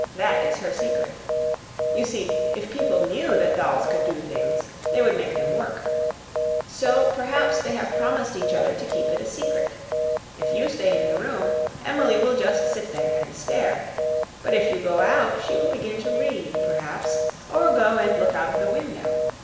That is her secret. You see, if people knew that dolls could do things, they would make them work. So, perhaps, they have promised each other to keep it a secret. If you stay in the room, Emily will just sit there and stare; but if you go out, she will begin to read, perhaps, or go and look out of the window.